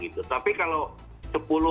tapi kalau sepuluh